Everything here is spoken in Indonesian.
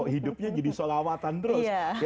hidupnya jadi sholawatan terus